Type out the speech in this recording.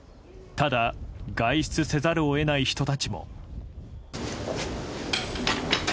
ただ、外出せざるを得ない人たちも。